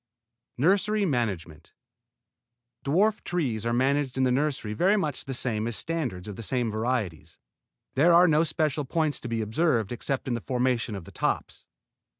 NURSERY MANAGEMENT Dwarf trees are managed in the nursery very much the same as standards of the same varieties. There are no special points to be observed except in the formation of the tops.